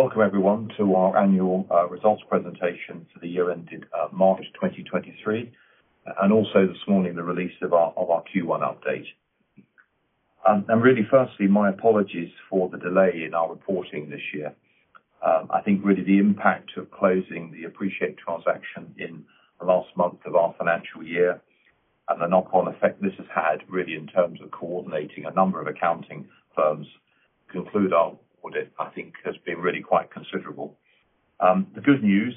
Welcome everyone to our annual results presentation for the year ended March 2023, also this morning, the release of our Q1 update. Really firstly, my apologies for the delay in our reporting this year. I think really the impact of closing the Appreciate transaction in the last month of our financial year, the knock-on effect this has had, really, in terms of coordinating a number of accounting firms to conclude our audit, I think has been really quite considerable. The good news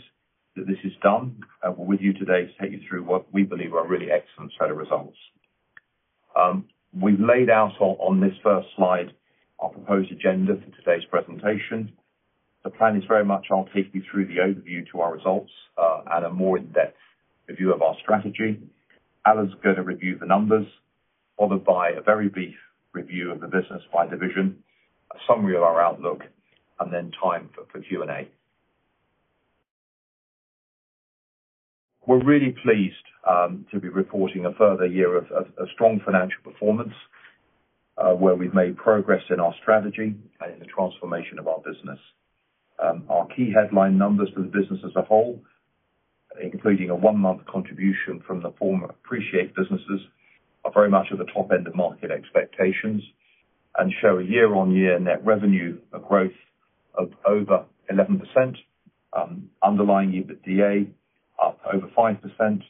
that this is done, we're with you today to take you through what we believe are a really excellent set of results. We've laid out on this first slide, our proposed agenda for today's presentation. The plan is very much I'll take you through the overview to our results, and a more in-depth review of our strategy. Alan's going to review the numbers, followed by a very brief review of the business by division, a summary of our outlook, and then time for Q&A. We're really pleased to be reporting a further year of strong financial performance, where we've made progress in our strategy and in the transformation of our business. Our key headline numbers for the business as a whole, including a one-month contribution from the former Appreciate businesses, are very much at the top end of market expectations, and show a year-on-year net revenue growth of over 11%, underlying EBITDA up over 5%,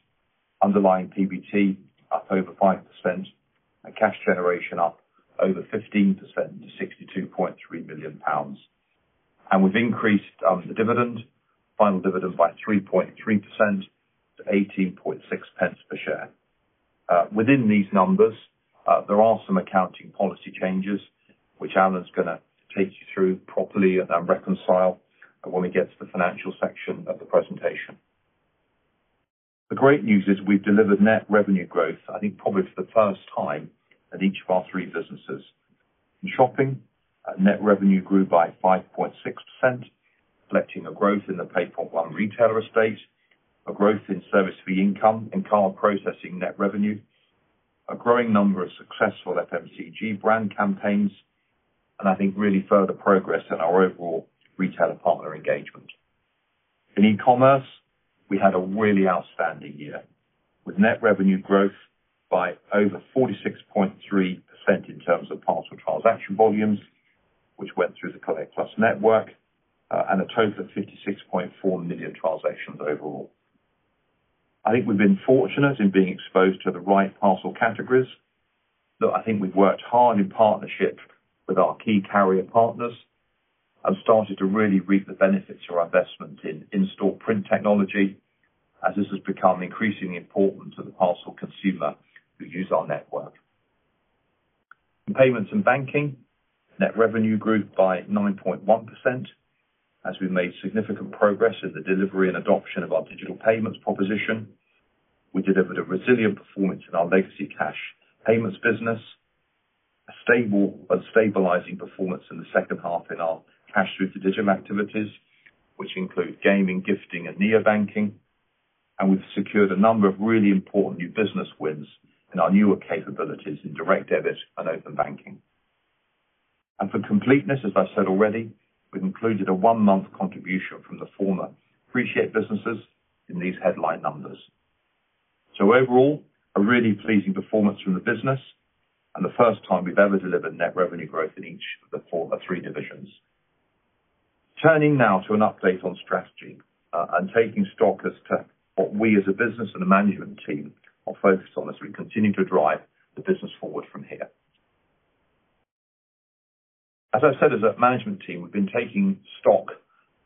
underlying PBT up over 5%, and cash generation up over 15% to 62.3 million pounds. We've increased the dividend, final dividend, by 3.3% to 0.186 per share. Within these numbers, there are some accounting policy changes which Alan's going to take you through properly and reconcile when we get to the financial section of the presentation. The great news is we've delivered net revenue growth, I think probably for the first time, at each of our three businesses. In shopping, net revenue grew by 5.6%, reflecting a growth in the PayPoint One retailer estate, a growth in service fee income and card processing net revenue, a growing number of successful FMCG brand campaigns, and I think really further progress in our overall retailer partner engagement. In e-commerce, we had a really outstanding year, with net revenue growth by over 46.3% in terms of parcel transaction volumes, which went through the Collect+ network, and a total of 56.4 million transactions overall. I think we've been fortunate in being exposed to the right parcel categories, that I think we've worked hard in partnership with our key carrier partners, and started to really reap the benefits of our investment in in-store print technology, as this has become increasingly important to the parcel consumer who use our network. In payments and banking, net revenue grew by 9.1%, as we made significant progress in the delivery and adoption of our digital payments proposition. We delivered a resilient performance in our legacy cash payments business, a stabilizing performance in the second half in our cash through to digital activities, which include gaming, gifting, and near banking. We've secured a number of really important new business wins in our newer capabilities in Direct Debit and Open Banking. For completeness, as I've said already, we've included a one-month contribution from the former Appreciate businesses in these headline numbers. Overall, a really pleasing performance from the business, and the first time we've ever delivered net revenue growth in each of the form of three divisions. Turning now to an update on strategy, and taking stock as to what we as a business and a management team are focused on as we continue to drive the business forward from here. As I said, as a management team, we've been taking stock,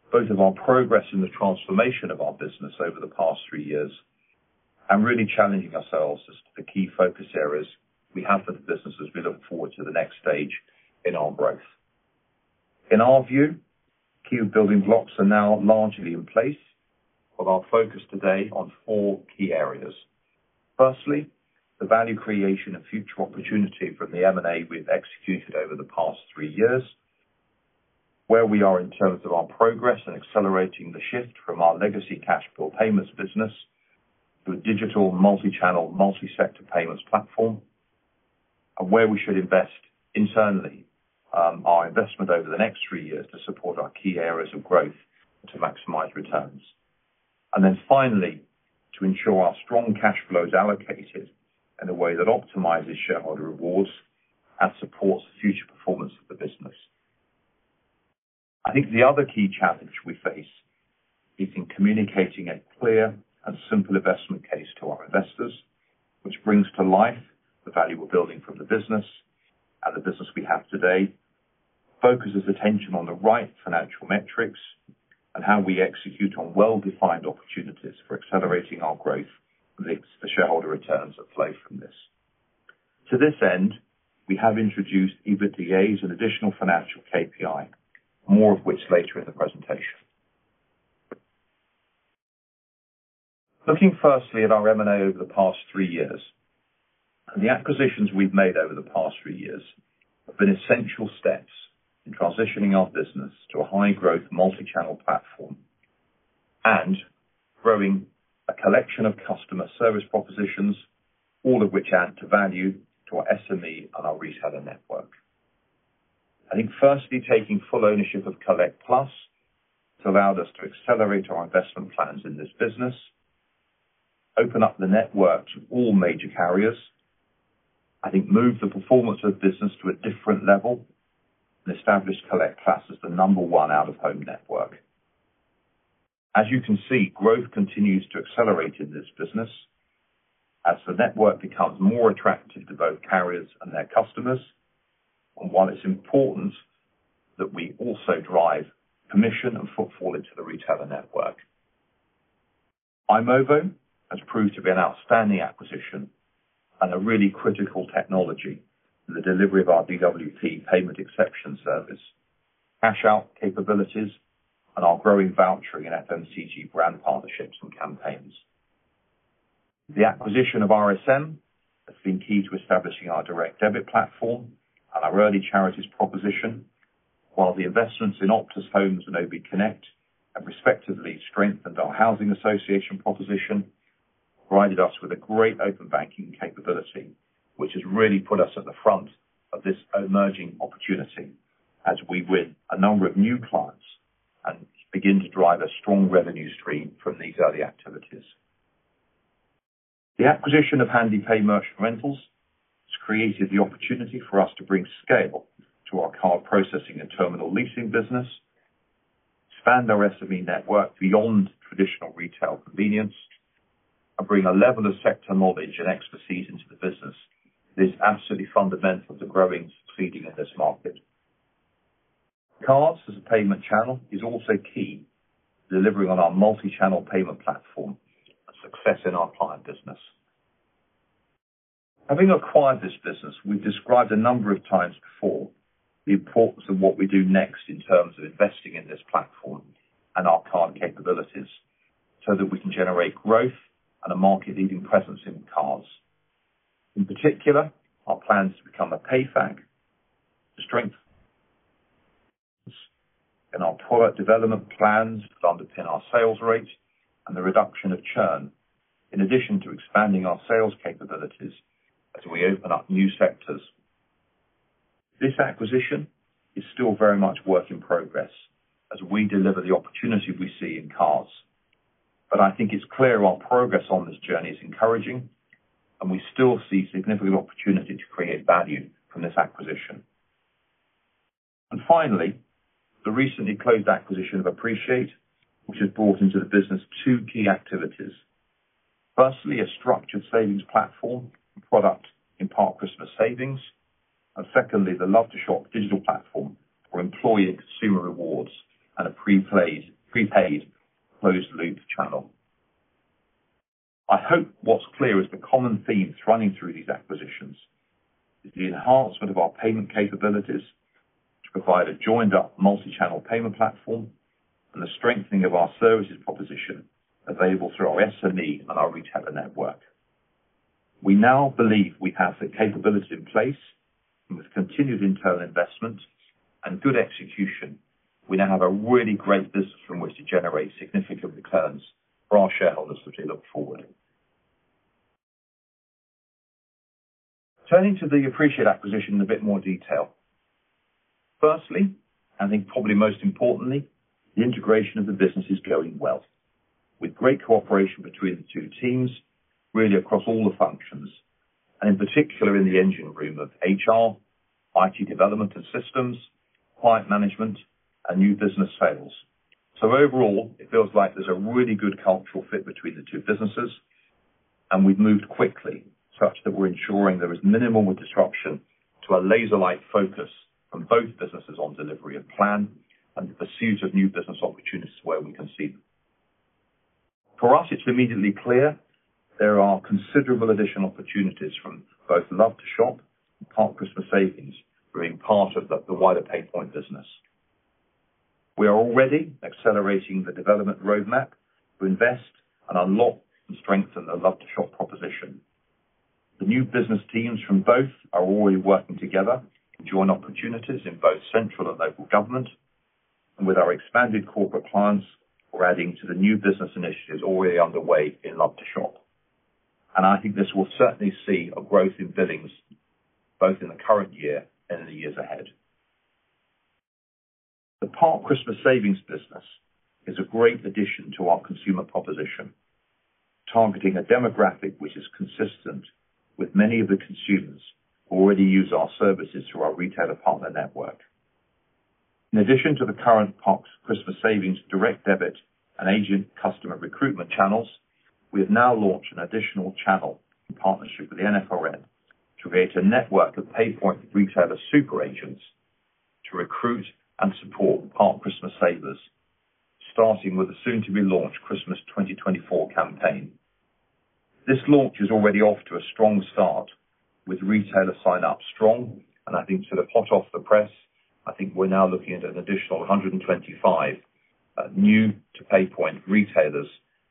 both of our progress in the transformation of our business over the past three years, and really challenging ourselves as to the key focus areas we have for the business as we look forward to the next stage in our growth. In our view, key building blocks are now largely in place, with our focus today on four key areas. Firstly, the value creation and future opportunity from the M&A we've executed over the past three years, where we are in terms of our progress in accelerating the shift from our legacy cash pool payments business to a digital, multi-channel, multi-sector payments platform, and where we should invest internally, our investment over the next three years to support our key areas of growth and to maximize returns. Finally, to ensure our strong cash flow is allocated in a way that optimizes shareholder rewards and supports the future performance of the business. I think the other key challenge we face is in communicating a clear and simple investment case to our investors, which brings to life the value we're building from the business and the business we have today, focuses attention on the right financial metrics, and how we execute on well-defined opportunities for accelerating our growth and the shareholder returns at play from this. To this end, we have introduced EBITDA as an additional financial KPI, more of which later in the presentation. Looking firstly at our M&A over the past three years, and the acquisitions we've made over the past three years have been essential steps in transitioning our business to a high-growth, multi-channel platform. Growing a collection of customer service propositions, all of which add to value to our SME and our retailer network. I think firstly, taking full ownership of Collect+ has allowed us to accelerate our investment plans in this business, open up the network to all major carriers. I think moved the performance of the business to a different level, and established Collect+ as the number one out-of-home network. As you can see, growth continues to accelerate in this business as the network becomes more attractive to both carriers and their customers, and while it's important that we also drive permission and footfall into the retailer network. i-movo has proved to be an outstanding acquisition and a really critical technology in the delivery of our DWP Payment Exception Service, Cash Out capabilities, and our growing voucher and FMCG brand partnerships and campaigns. The acquisition of RSM has been key to establishing our Direct Debit platform and our early charities proposition, while the investments in Optus Homes and obconnect have respectively strengthened our housing association proposition, provided us with a great Open Banking capability, which has really put us at the front of this emerging opportunity as we win a number of new clients and begin to drive a strong revenue stream from these early activities. The acquisition of Handepay and Merchant Rentals has created the opportunity for us to bring scale to our card processing and terminal leasing business, expand our SME network beyond traditional retail convenience, and bring a level of sector knowledge and expertise into the business that is absolutely fundamental to growing and succeeding in this market. Cards as a payment channel is also key to delivering on our multi-channel payment platform and success in our client business. Having acquired this business, we've described a number of times before the importance of what we do next in terms of investing in this platform and our card capabilities, so that we can generate growth and a market-leading presence in cards. In particular, our plans to become a PayFac, the strength in our product development plans to underpin our sales rates and the reduction of churn, in addition to expanding our sales capabilities as we open up new sectors. This acquisition is still very much work in progress as we deliver the opportunity we see in cards. I think it's clear our progress on this journey is encouraging, and we still see significant opportunity to create value from this acquisition. Finally, the recently closed acquisition of Appreciate, which has brought into the business two key activities. Firstly, a structured savings platform and product in Park Christmas Savings, and secondly, the Love2shop digital platform for employee and consumer rewards and a prepaid closed loop channel. I hope what's clear is the common themes running through these acquisitions is the enhancement of our payment capabilities to provide a joined-up, multi-channel payment platform and the strengthening of our services proposition available through our SME and our retailer network. We now believe we have the capability in place, and with continued internal investment and good execution, we now have a really great business from which to generate significant returns for our shareholders as we look forward. Turning to the Appreciate acquisition in a bit more detail. Firstly, I think probably most importantly, the integration of the business is going well, with great cooperation between the two teams, really across all the functions, and in particular in the engine room of HR, IT development and systems, client management, and new business sales. Overall, it feels like there's a really good cultural fit between the two businesses, and we've moved quickly, such that we're ensuring there is minimal disruption to a laser-like focus from both businesses on delivery of plan and the pursuit of new business opportunities where we can see them. For us, it's immediately clear there are considerable additional opportunities from both Love2shop and Park Christmas Savings being part of the wider PayPoint business. We are already accelerating the development roadmap to invest and unlock and strengthen the Love2shop proposition. The new business teams from both are already working together to join opportunities in both central and local government. With our expanded corporate clients, we're adding to the new business initiatives already underway in Love2shop. I think this will certainly see a growth in billings, both in the current year and in the years ahead. The Park Christmas Savings business is a great addition to our consumer proposition, targeting a demographic which is consistent with many of the consumers who already use our services through our retailer partner network. In addition to the current Park Christmas Savings direct debit and agent customer recruitment channels, we have now launched an additional channel in partnership with the NFRN to create a network of PayPoint retailer super agents to recruit and support Park Christmas Savers, starting with the soon-to-be-launched Christmas 2024 campaign. This launch is already off to a strong start, with retailer sign-ups strong, and I think to the hot off the press, I think we're now looking at an additional 125 new to PayPoint retailers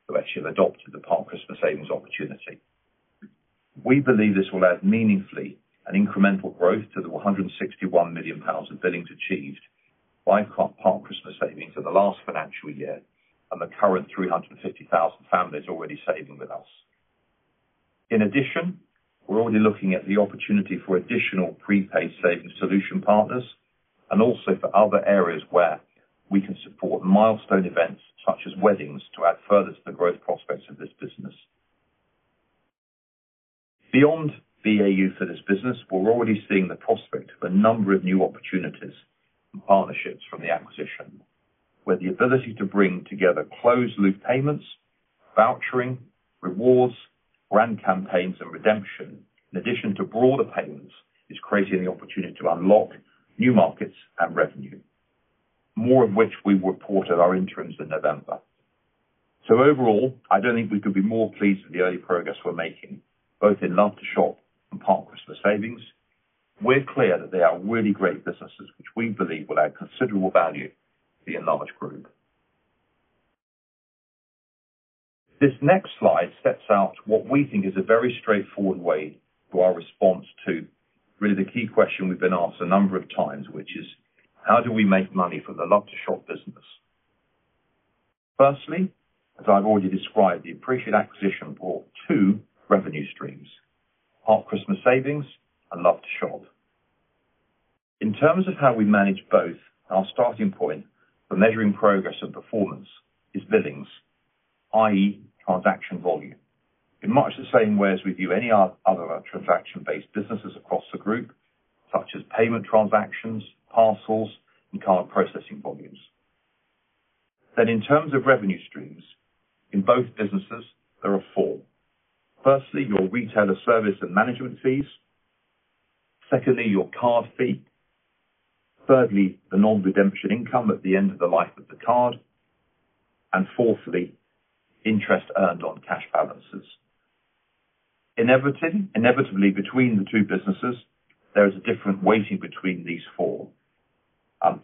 who actually have adopted the Park Christmas Savings opportunity. We believe this will add meaningfully an incremental growth to the 161 million pounds in billings achieved by Park Christmas Savings in the last financial year, and the current 350,000 families already saving with us. In addition, we're already looking at the opportunity for additional prepaid savings solution partners, and also for other areas where we can support milestone events, such as weddings, to add further to the growth prospects of this business. Beyond BAU for this business, we're already seeing the prospect of a number of new opportunities and partnerships from the acquisition, where the ability to bring together closed loop payments, vouchering, rewards, brand campaigns, and redemption, in addition to broader payments, is creating the opportunity to unlock new markets and revenue, more of which we reported our interims in November. Overall, I don't think we could be more pleased with the early progress we're making, both in Love2shop and Park Christmas Savings. We're clear that they are really great businesses, which we believe will add considerable value to the Enlarged Group. This next slide sets out what we think is a very straightforward way to our response to really the key question we've been asked a number of times, which is: How do we make money from the Love2shop business? Firstly, as I've already described, the Appreciate acquisition brought two revenue streams, Park Christmas Savings and Love2shop. In terms of how we manage both, our starting point for measuring progress and performance is billings, i.e., transaction volume, in much the same way as we do any other transaction-based businesses across the group, such as payment transactions, parcels, and card processing volumes. In terms of revenue streams, in both businesses, there are four. Firstly, your retailer service and management fees. Secondly, your card fee. Thirdly, the non-redemption income at the end of the life of the card. Fourthly, interest earned on cash balances. Inevitably between the two businesses, there is a different weighting between these four.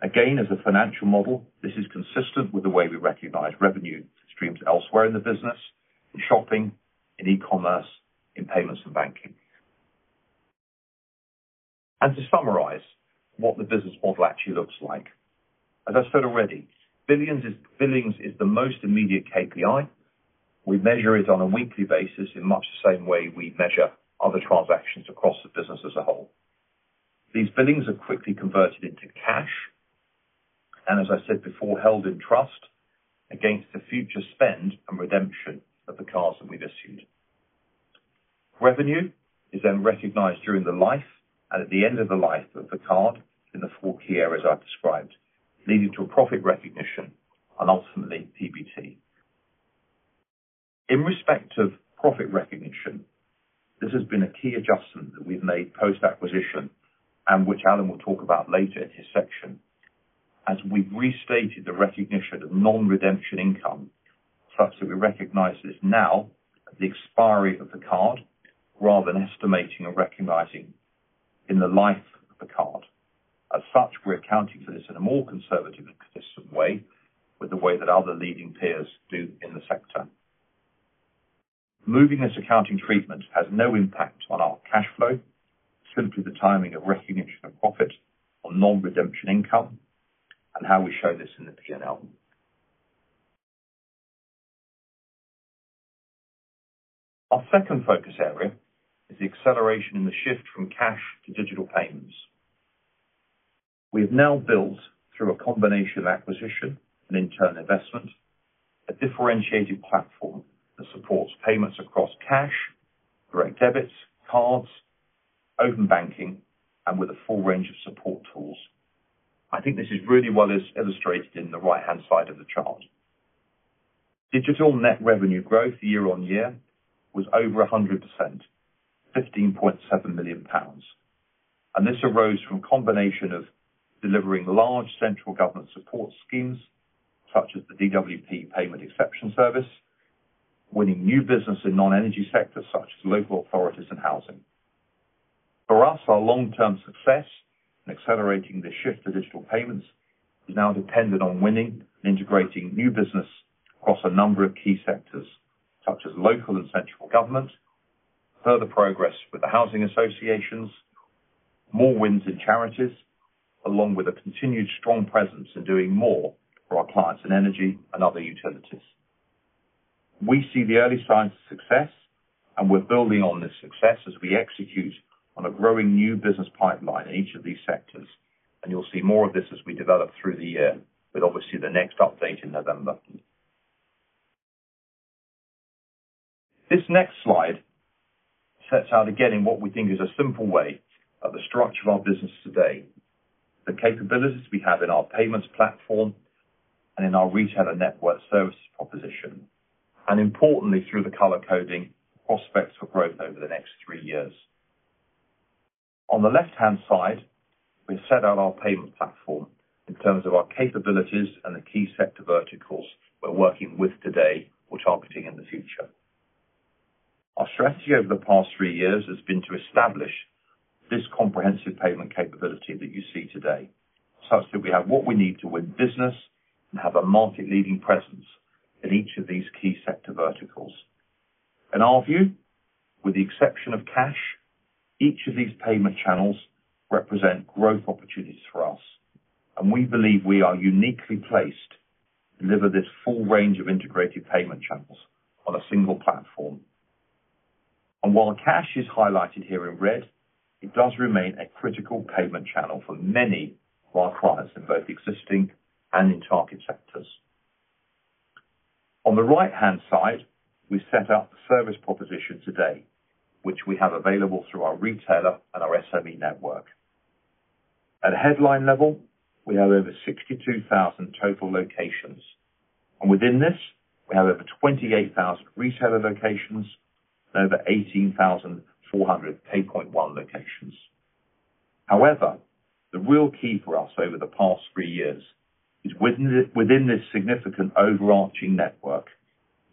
Again, as a financial model, this is consistent with the way we recognize revenue streams elsewhere in the business, in shopping, in e-commerce, in payments and banking. To summarize what the business model actually looks like, as I said already, billings is the most immediate KPI. We measure it on a weekly basis in much the same way we measure other transactions across the business as a whole. These billings are quickly converted into cash, and as I said before, held in trust against the future spend and redemption of the cards that we've issued. Revenue is then recognized during the life and at the end of the life of the card in the four key areas I've described, leading to a profit recognition and ultimately, PBT. In respect of profit recognition, this has been a key adjustment that we've made post-acquisition, and which Alan will talk about later in his section. As we've restated the recognition of non-redemption income, such that we recognize this now at the expiry of the card, rather than estimating and recognizing in the life of the card. As such, we're accounting for this in a more conservative and consistent way, with the way that other leading peers do in the sector. Moving this accounting treatment has no impact on our cash flow, simply the timing of recognition of profit on non-redemption income and how we show this in the P&L. Our second focus area is the acceleration in the shift from cash to digital payments. We have now built, through a combination of acquisition and in-turn investment, a differentiated platform that supports payments across cash, Direct Debits, cards, Open Banking, and with a full range of support tools. I think this is really well illustrated in the right-hand side of the chart. Digital net revenue growth year-over-year was over 100%, 15.7 million pounds. This arose from a combination of delivering large central government support schemes, such as the DWP Payment Exception Service, winning new business in non-energy sectors, such as local authorities and housing. For us, our long-term success in accelerating the shift to digital payments is now dependent on winning and integrating new business across a number of key sectors, such as local and central government, further progress with the housing associations, more wins in charities, along with a continued strong presence in doing more for our clients in energy and other utilities. We see the early signs of success, and we're building on this success as we execute on a growing new business pipeline in each of these sectors, and you'll see more of this as we develop through the year, with obviously the next update in November. This next slide sets out, again, in what we think is a simple way, of the structure of our business today, the capabilities we have in our payments platform and in our retailer network services proposition, and importantly, through the color coding, prospects for growth over the next three years. On the left-hand side, we've set out our payment platform in terms of our capabilities and the key sector verticals we're working with today, we're targeting in the future. Our strategy over the past three years has been to establish this comprehensive payment capability that you see today, such that we have what we need to win business and have a market-leading presence in each of these key sector verticals. In our view, with the exception of cash, each of these payment channels represent growth opportunities for us, and we believe we are uniquely placed to deliver this full range of integrated payment channels on a single platform. While cash is highlighted here in red, it does remain a critical payment channel for many of our clients, in both existing and in target sectors. On the right-hand side, we set out the service proposition today, which we have available through our retailer and our SME network. At a headline level, we have over 62,000 total locations, and within this, we have over 28,000 retailer locations and over 18,400 PayPoint One locations. However, the real key for us over the past three years is within this significant overarching network,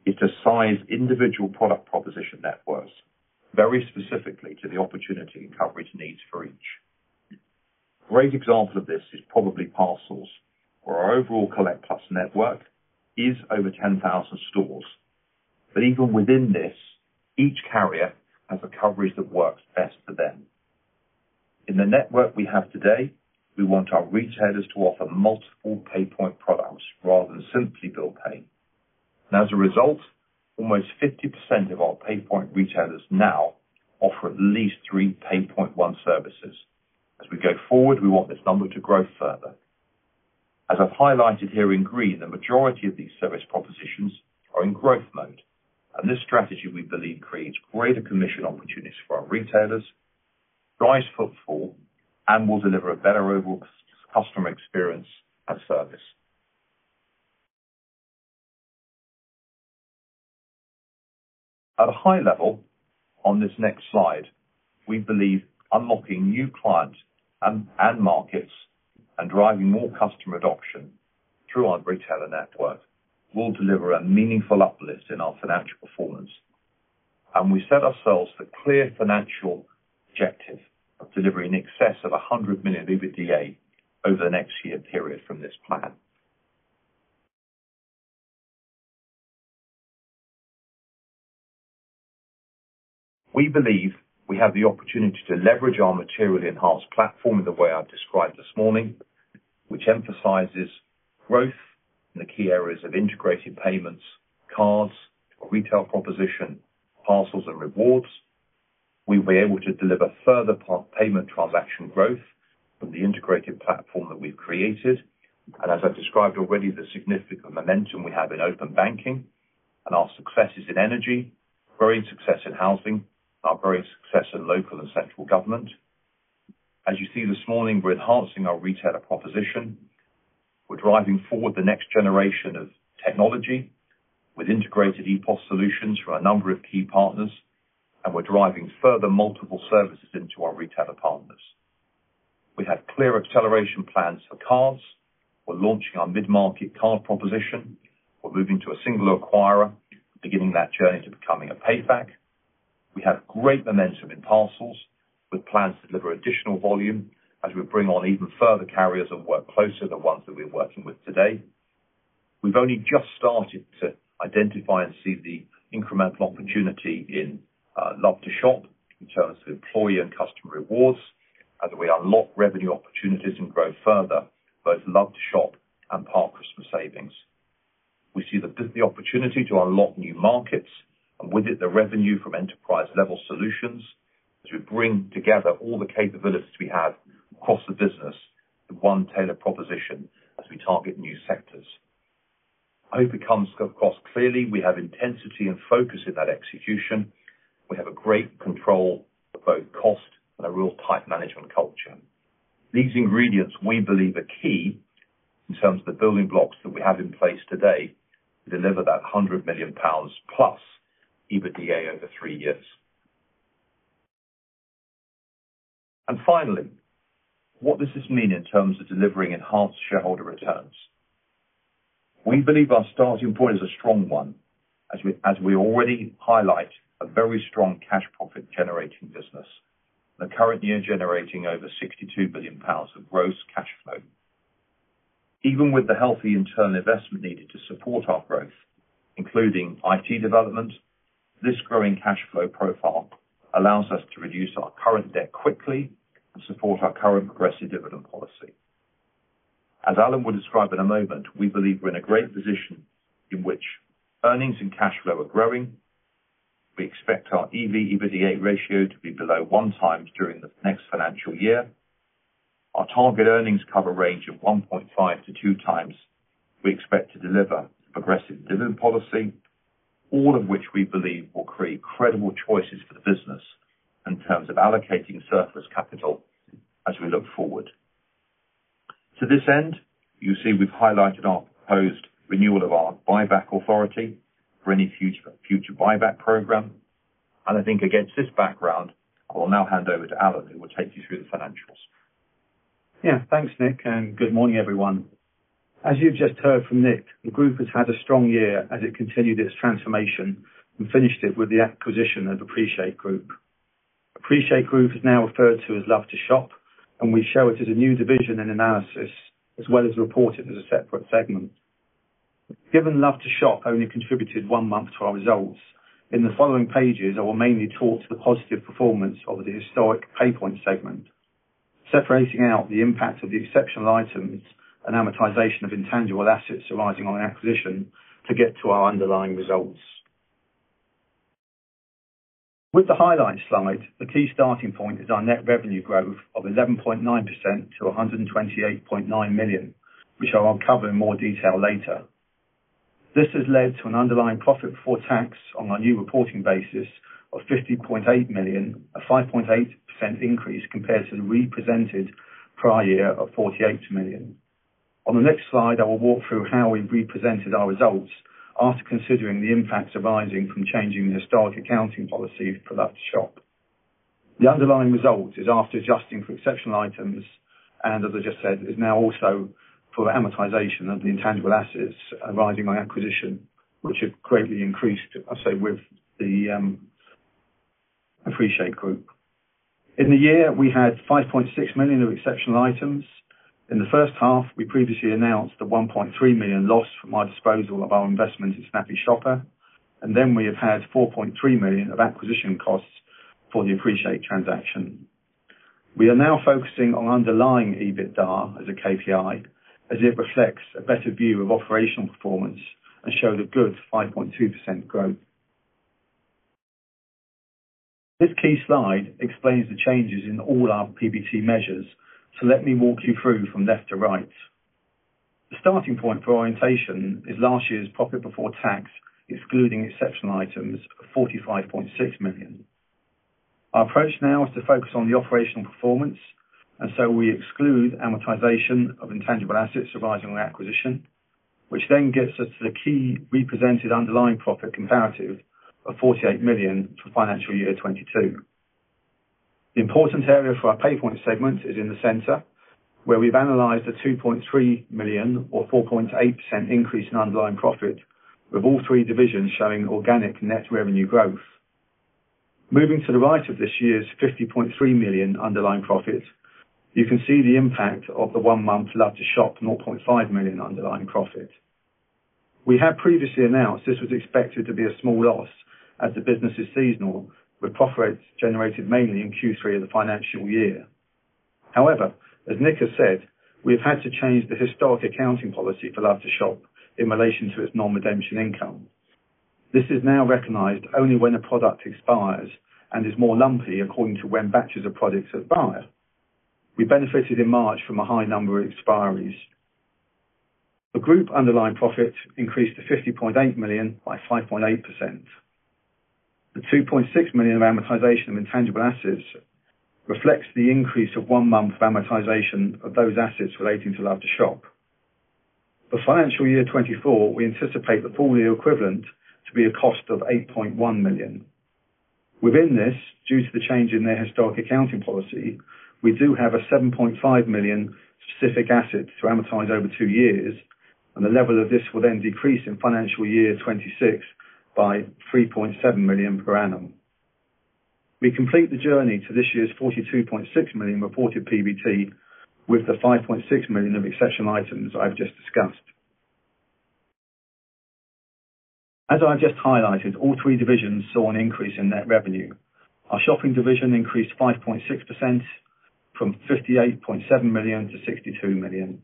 is to size individual product proposition networks, very specifically to the opportunity and coverage needs for each. A great example of this is probably parcels, where our overall Collect+ network is over 10,000 stores. Even within this, each carrier has a coverage that works best for them. In the network we have today, we want our retailers to offer multiple PayPoint products rather than simply bill paying. As a result, almost 50% of our PayPoint retailers now offer at least three PayPoint One services. As we go forward, we want this number to grow further. As I've highlighted here in green, the majority of these service propositions are in growth mode, and this strategy, we believe, creates greater commission opportunities for our retailers, drives footfall, and will deliver a better overall customer experience and service. At a high level, on this next slide, we believe unlocking new clients and markets, and driving more customer adoption through our retailer network, will deliver a meaningful uplift in our financial performance. We set ourselves the clear financial objective of delivering in excess of 100 million EBITDA over the next year period from this plan. We believe we have the opportunity to leverage our materially enhanced platform in the way I've described this morning, which emphasizes growth in the key areas of integrated payments, cards, retail proposition, parcels, and rewards. We'll be able to deliver further payment transaction growth from the integrated platform that we've created, as I've described already, the significant momentum we have in Open Banking and our successes in energy, growing success in housing, our growing success in local and central government. As you see this morning, we're enhancing our retailer proposition. We're driving forward the next generation of technology with integrated EPOS solutions from a number of key partners, and we're driving further multiple services into our retailer partners. We have clear acceleration plans for cards. We're launching our mid-market card proposition. We're moving to a single acquirer, beginning that journey to becoming a PayFac. We have great momentum in parcels, with plans to deliver additional volume as we bring on even further carriers and work closer to the ones that we're working with today. We've only just started to identify and see the incremental opportunity in Love2shop, in terms of employee and customer rewards, as we unlock revenue opportunities and grow further, both Love2shop and partner customer savings. We see the opportunity to unlock new markets, and with it, the revenue from enterprise-level solutions, as we bring together all the capabilities we have across the business in one tailored proposition as we target new sectors. I hope it comes, of course, clearly, we have intensity and focus in that execution. We have a great control of both cost and a real tight management culture. These ingredients, we believe, are key in terms of the building blocks that we have in place today, to deliver that 100 million pounds+ EBITDA over three years. Finally, what does this mean in terms of delivering enhanced shareholder returns? We believe our starting point is a strong one. As we already highlight, a very strong cash profit-generating business, the current year generating over 62 billion pounds of gross cash flow. Even with the healthy internal investment needed to support our growth, including IT development, this growing cash flow profile allows us to reduce our current debt quickly and support our current aggressive dividend policy. As Alan will describe in a moment, we believe we're in a great position in which earnings and cash flow are growing. We expect our EV/EBITDA ratio to be below 1x during the next financial year. Our target earnings cover range of 1.5x-2x. We expect to deliver progressive dividend policy, all of which we believe will create credible choices for the business in terms of allocating surplus capital as we look forward. To this end, you see we've highlighted our proposed renewal of our buyback authority for any future buyback program. I think against this background, I will now hand over to Alan, who will take you through the financials. Yeah, thanks, Nick. Good morning, everyone. As you've just heard from Nick, the group has had a strong year as it continued its transformation and finished it with the acquisition of Appreciate Group. Appreciate Group is now referred to as Love2shop, we show it as a new division and analysis, as well as report it as a separate segment. Given Love2shop only contributed one month to our results, in the following pages, I will mainly talk to the positive performance of the historic PayPoint segment, separating out the impact of the exceptional items and amortization of intangible assets arising on acquisition to get to our underlying results. With the highlights slide, the key starting point is our net revenue growth of 11.9% to 128.9 million, which I'll uncover in more detail later. This has led to an underlying PBT on our new reporting basis of 50.8 million, a 5.8% increase compared to the represented prior year of 48 million. On the next slide, I will walk through how we've represented our results after considering the impacts arising from changing the historic accounting policy for Love2shop. The underlying result is after adjusting for exceptional items, and as I just said, is now also for the amortization of the intangible assets arising by acquisition, which have greatly increased, I say, with the Appreciate Group. In the year, we had 5.6 million of exceptional items. In the first half, we previously announced a 1.3 million loss from our disposal of our investment in Snappy Shopper, then we have had 4.3 million of acquisition costs for the Appreciate transaction. We are now focusing on underlying EBITDA as a KPI, as it reflects a better view of operational performance and showed a good 5.2% growth. This key slide explains the changes in all our PBT measures. Let me walk you through from left to right. The starting point for orientation is last year's profit before tax, excluding exceptional items of 45.6 million. Our approach now is to focus on the operational performance. We exclude amortization of intangible assets arising from acquisition, which then gets us to the key represented underlying profit comparative of 48 million for financial year 2022. The important area for our PayPoint segment is in the center, where we've analyzed the 2.3 million or 4.8% increase in underlying profit, with all three divisions showing organic net revenue growth. Moving to the right of this year's 50.3 million underlying profit, you can see the impact of the one-month Love2shop, 0.5 million underlying profit. We have previously announced this was expected to be a small loss as the business is seasonal, with profits generated mainly in Q3 of the financial year. As Nick has said, we have had to change the historic accounting policy for Love2shop in relation to its non-redemption income. This is now recognized only when a product expires and is more lumpy according to when batches of products expire. We benefited in March from a high number of expiries. The group underlying profit increased to 50.8 million by 5.8%. The 2.6 million amortization of intangible assets reflects the increase of one month amortization of those assets relating to Love2shop. For financial year 2024, we anticipate the full year equivalent to be a cost of 8.1 million. Within this, due to the change in their historic accounting policy, we do have a 7.5 million specific assets to amortize over two years, and the level of this will then decrease in financial year 2026, by 3.7 million per annum. We complete the journey to this year's 42.6 million reported PBT with the 5.6 million of exceptional items I've just discussed. As I've just highlighted, all three divisions saw an increase in net revenue. Our shopping division increased 5.6% from 58.7 million to 62 million.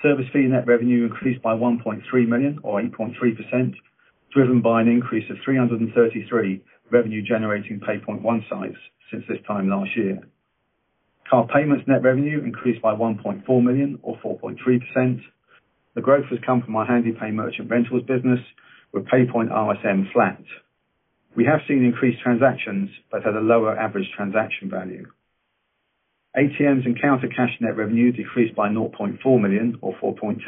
Service fee net revenue increased by 1.3 million or 8.3%, driven by an increase of 333 revenue generating PayPoint One sites since this time last year. Card payments net revenue increased by 1.4 million or 4.3%. The growth has come from our Handepay Merchant Rentals business, with PayPoint RSM flat. We have seen increased transactions, but at a lower average transaction value. ATMs and Counter Cash net revenue decreased by 0.4 million or 4.2%.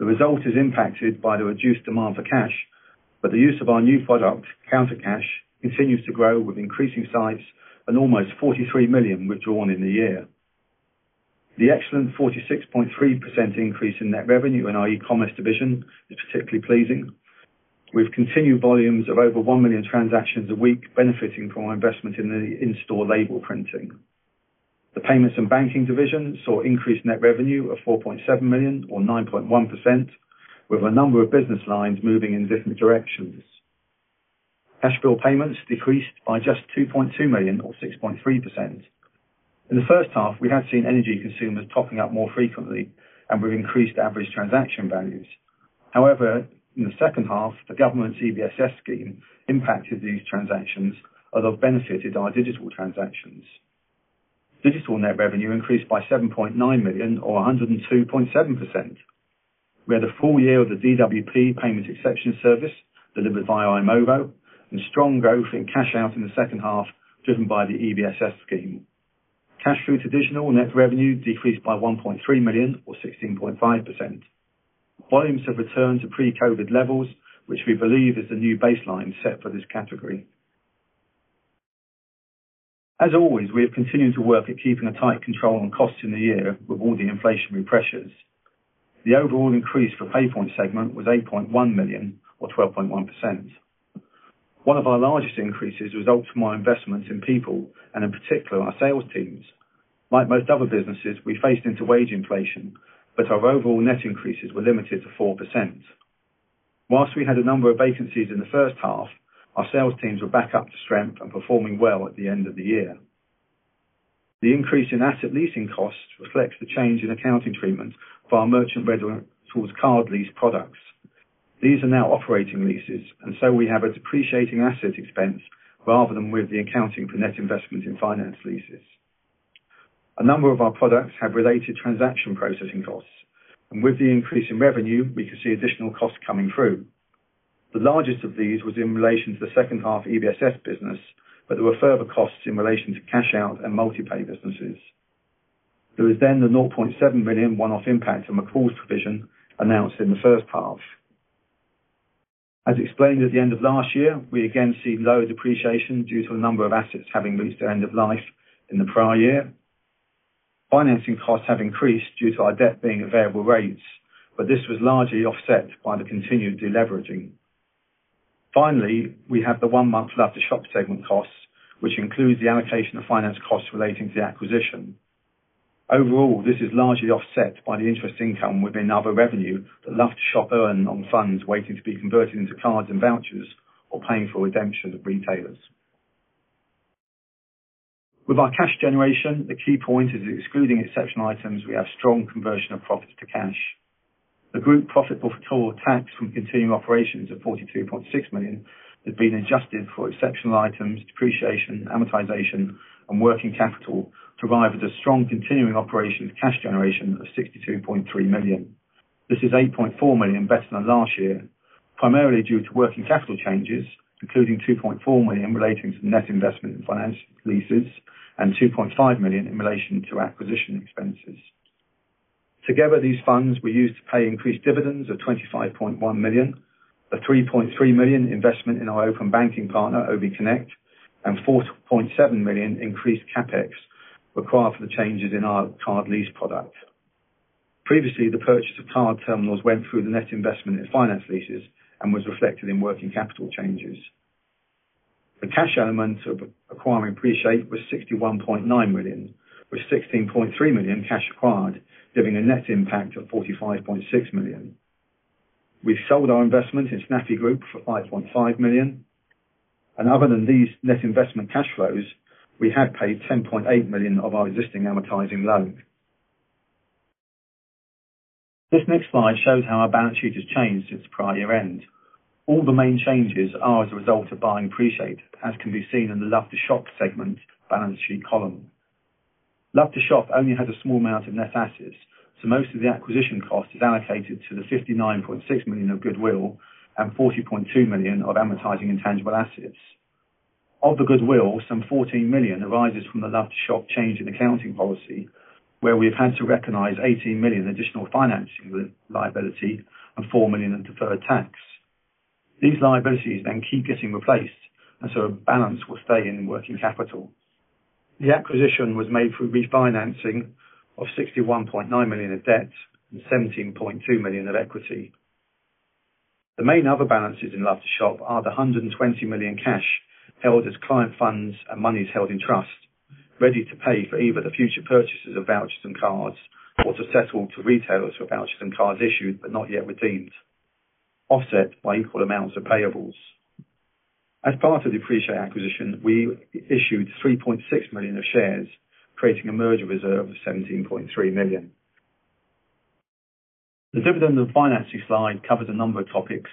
The result is impacted by the reduced demand for cash, but the use of our new product, Counter Cash, continues to grow with increasing size and almost 43 million withdrawn in the year. The excellent 46.3% increase in net revenue in our e-commerce division is particularly pleasing. We've continued volumes of over one million transactions a week benefiting from our investment in the in-store label printing. The payments and banking division saw increased net revenue of 4.7 million or 9.1%, with a number of business lines moving in different directions. Ashville payments decreased by just 2.2 million or 6.3%. In the first half, we have seen energy consumers topping up more frequently and with increased average transaction values. In the second half, the government EBSS scheme impacted these transactions, although benefited our digital transactions. Digital net revenue increased by 7.9 million or 102.7%. We had a full year of the DWP Payment Exception Service delivered via i-movo, and strong growth in Cash Out in the second half, driven by the EBSS scheme. Cash through traditional net revenue decreased by 1.3 million or 16.5%. Volumes have returned to pre-COVID levels, which we believe is the new baseline set for this category. As always, we have continued to work at keeping a tight control on costs in the year with all the inflationary pressures. The overall increase for PayPoint segment was 8.1 million, or 12.1%. One of our largest increases results from our investments in people, and in particular, our sales teams. Like most other businesses, we faced into wage inflation, but our overall net increases were limited to 4%. Whilst we had a number of vacancies in the first half, our sales teams were back up to strength and performing well at the end of the year. The increase in asset leasing costs reflects the change in accounting treatment for our Merchant Rentals towards card lease products. These are now operating leases, so we have a depreciating asset expense, rather than with the accounting for net investment in finance leases. A number of our products have related transaction processing costs, with the increase in revenue, we can see additional costs coming through. The largest of these was in relation to the second half EBSS business, there were further costs in relation to Cash Out and MultiPay businesses. There was the 0.7 million one-off impact on the McColl's provision announced in the first half. As explained at the end of last year, we again see low depreciation due to a number of assets having reached their end of life in the prior year. Financing costs have increased due to our debt being at variable rates, this was largely offset by the continued deleveraging. Finally, we have the one month Love2shop segment costs, which includes the allocation of finance costs relating to the acquisition. Overall, this is largely offset by the interest income within other revenue, that Love2shop earn on funds waiting to be converted into cards and vouchers, or paying for redemption of retailers. With our cash generation, the key point is, excluding exceptional items, we have strong conversion of profits to cash. The group profit before tax from continuing operations of 42.6 million, has been adjusted for exceptional items, depreciation, amortization, and working capital, provided a strong continuing operations cash generation of 62.3 million. This is 8.4 million better than last year, primarily due to working capital changes, including 2.4 million relating to net investment in finance leases, and 2.5 million in relation to acquisition expenses. Together, these funds were used to pay increased dividends of 25.1 million, a 3.3 million investment in our Open Banking partner, obconnect, and 4.7 million increased CapEx, required for the changes in our card lease product. Previously, the purchase of card terminals went through the net investment in finance leases and was reflected in working capital changes. The cash element of acquiring Appreciate was 61.9 million, with 16.3 million cash acquired, giving a net impact of 45.6 million. We sold our investment in Snappy Group for 5.5 million. Other than these net investment cash flows, we have paid 10.8 million of our existing amortizing loan. This next slide shows how our balance sheet has changed since prior year end. All the main changes are as a result of buying Appreciate, as can be seen in the Love2shop segment balance sheet column. Love2shop only has a small amount of net assets. Most of the acquisition cost is allocated to the 59.6 million of goodwill, and 40.2 million of amortizing intangible assets. Of the goodwill, some 14 million arises from the Love2shop change in accounting policy, where we've had to recognize 18 million additional financing liability, and 4 million in deferred tax. These liabilities keep getting replaced, a balance will stay in working capital. The acquisition was made through refinancing of 61.9 million of debt and 17.2 million of equity. The main other balances in Love2shop are the 120 million cash held as client funds and monies held in trust, ready to pay for either the future purchases of vouchers and cards, or to settle to retailers for vouchers and cards issued, but not yet redeemed, offset by equal amounts of payables. As part of the Appreciate acquisition, we issued 3.6 million of shares, creating a merger reserve of 17.3 million. The dividend and financing slide covers a number of topics.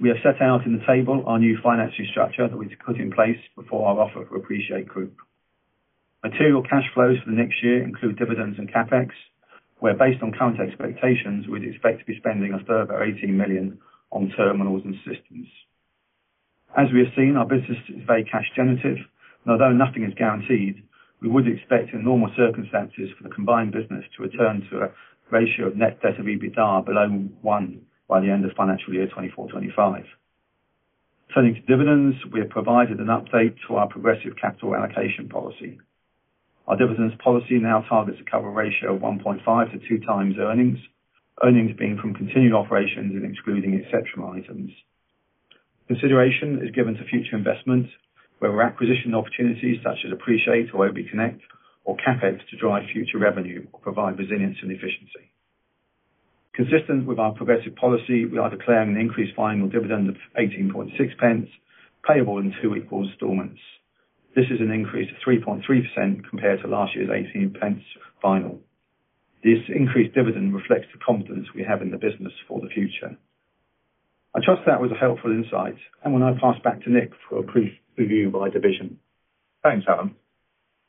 We have set out in the table our new financing structure that we put in place before our offer for Appreciate Group. Material cash flows for the next year include dividends and CapEx, where based on current expectations, we'd expect to be spending a further 18 million on terminals and systems. As we have seen, our business is very cash generative, and although nothing is guaranteed, we would expect in normal circumstances for the combined business to return to a ratio of Net Debt to EBITDA below one by the end of financial year 2024, 2025. Turning to dividends, we have provided an update to our progressive capital allocation policy. Our dividends policy now targets a cover ratio of 1.5x-2x earnings, earnings being from continuing operations and excluding exceptional items. Consideration is given to future investments, where we're acquisition opportunities, such as Appreciate or obconnect or CapEx, to drive future revenue or provide resilience and efficiency. Consistent with our progressive policy, we are declaring an increased final dividend of 0.186, payable in two equal installments. This is an increase of 3.3% compared to last year's 0.18 final. This increased dividend reflects the confidence we have in the business for the future. I trust that was a helpful insight, and will now pass back to Nick for a brief review by division. Thanks, Adam.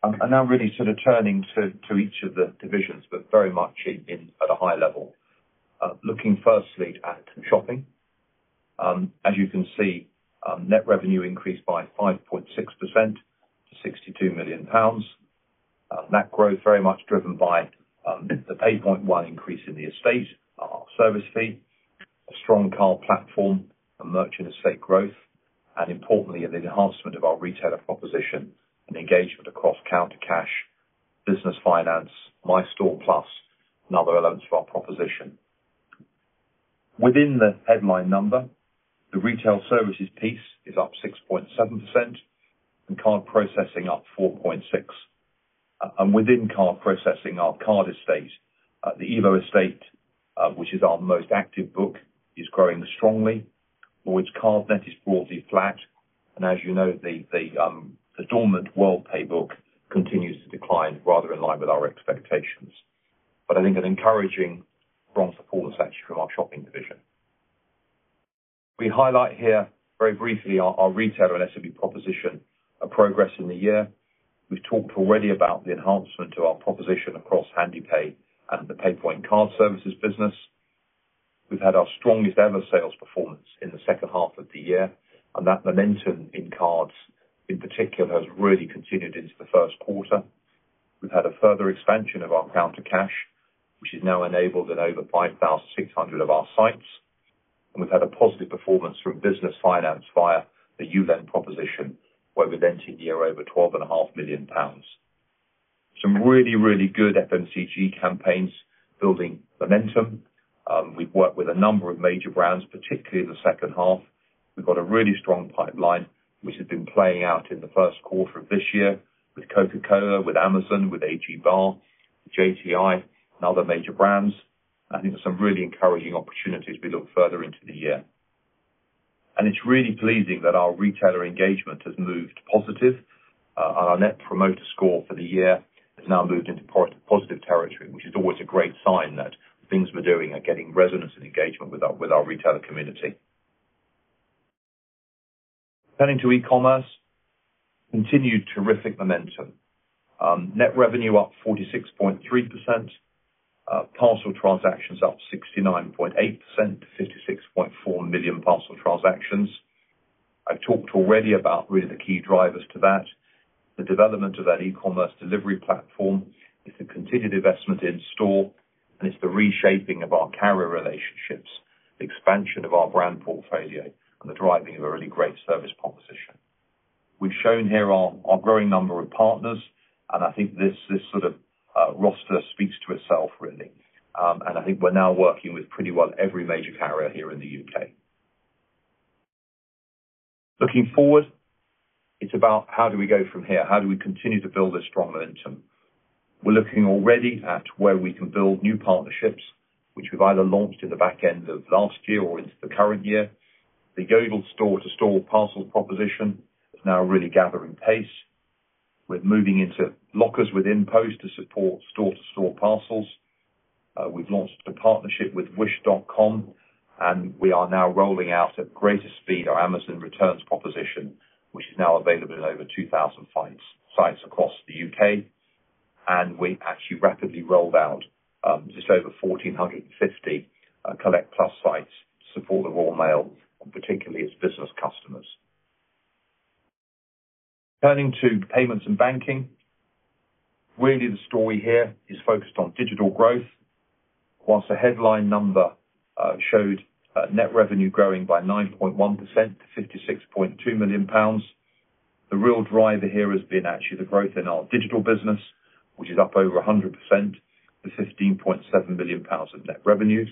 Now really sort of turning to each of the divisions, but very much at a high level. Looking firstly at shopping. Net revenue increased by 5.6% to 62 million pounds. That growth very much driven by the 8.1% increase in the estate, our service fee, a strong card platform, a merchant estate growth, and importantly, an enhancement of our retailer proposition and engagement across Counter Cash, business finance, MyStore+, and other elements of our proposition. Within the headline number, the retail services piece is up 6.7%, and card processing up 4.6%. Within card processing, our card estate, the EVO estate, which is our most active book, is growing strongly, or its card net is broadly flat. As you know, the dormant Worldpay book continues to decline rather in line with our expectations. I think an encouraging, strong performance actually from our shopping division. We highlight here very briefly our, our retailer and SME proposition, and progress in the year. We've talked already about the enhancement of our proposition across Handepay and the PayPoint Card Services business. We've had our strongest ever sales performance in the second half of the year, and that momentum in cards, in particular, has really continued into the first quarter. We've had a further expansion of our Counter Cash, which is now enabled in over 5,600 of our sites. We've had a positive performance from business finance via the YouLend proposition, where we've lent a year over 12.5 million pounds. Some really, really good FMCG campaigns building momentum. We've worked with a number of major brands, particularly in the second half. We've got a really strong pipeline, which has been playing out in the first quarter of this year with Coca-Cola, with Amazon, with A.G. Barr, JTI, and other major brands. I think there's some really encouraging opportunities as we look further into the year. It's really pleasing that our retailer engagement has moved positive, and our net promoter score for the year has now moved into positive territory, which is always a great sign that things we're doing are getting resonance and engagement with our, with our retailer community. Turning to e-commerce, continued terrific momentum. Net revenue up 46.3%, parcel transactions up 69.8% to 56.4 million parcel transactions. I've talked already about really the key drivers to that. The development of that e-commerce delivery platform, it's the continued investment in store, and it's the reshaping of our carrier relationships, the expansion of our brand portfolio, and the driving of a really great service proposition. We've shown here our, our growing number of partners, and I think this, this sort of roster speaks to itself, really. I think we're now working with pretty well every major carrier here in the U.K.. Looking forward, it's about how do we go from here? How do we continue to build this strong momentum? We're looking already at where we can build new partnerships, which we've either launched in the back end of last year or into the current year. The global store-to-store parcel proposition is now really gathering pace. We're moving into lockers with InPost to support store-to-store parcels. We've launched a partnership with Wish.com, and we are now rolling out at greater speed our Amazon Returns proposition, which is now available in over 2,000 sites across the U.K.. We actually rapidly rolled out just over 1,450 Collect+ sites to support the Royal Mail, and particularly its business customers. Turning to payments and banking, really the story here is focused on digital growth. Whilst the headline number showed net revenue growing by 9.1%, to 56.2 million pounds, the real driver here has been actually the growth in our digital business, which is up over 100% to 15.7 million pounds of net revenue.